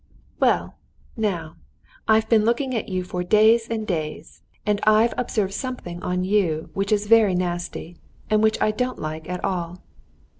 "Well, now, I've been looking at you for days and days, and I've observed something on you which is very nasty, and which I don't like at all."